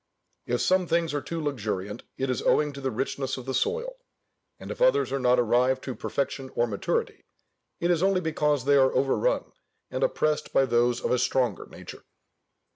If some things are too luxuriant it is owing to the richness of the soil; and if others are not arrived to perfection or maturity, it is only because they are overrun and oppressed by those of a stronger nature.